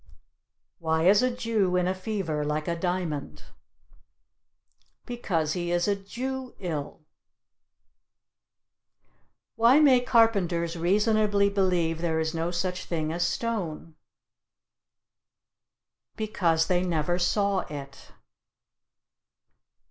Why is a Jew in a fever like a diamond? Because he is a Jew ill. Why may carpenters reasonably believe there is no such thing as stone? Because they never saw it.